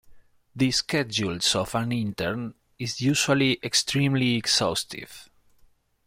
The schedules of an intern is usually extremely exhaustive.